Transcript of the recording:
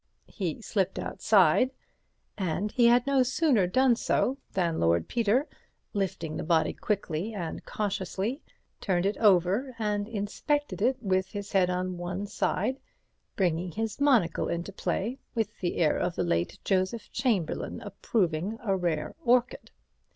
He slipped outside, and he had no sooner done so than Lord Peter, lifting the body quickly and cautiously, turned it over and inspected it with his head on one side, bringing his monocle into play with the air of the late Joseph Chamberlain approving a rare orchid.